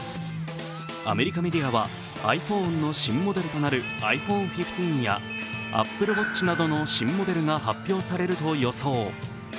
アメリカメディアは、ｉＰｈｏｎｅの新モデルとなるｉＰｈｏｎｅ１５やＡｐｐｌｅＷａｔｃｈなどの新モデルが発表されると予想。